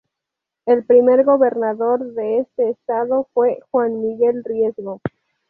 El primer gobernador de este estado fue Juan Miguel Riesgo.